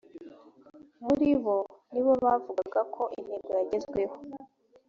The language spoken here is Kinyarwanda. muri bo ni bo bavugaga ko intego yagezweho